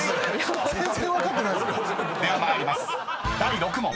第６問］